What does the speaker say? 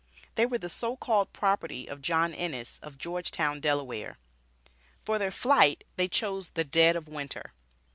They were the so called property of John Ennis, of Georgetown, Delaware. For their flight they chose the dead of Winter.